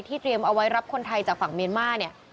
เตรียมเอาไว้รับคนไทยจากฝั่งเมียนมาร์เนี่ย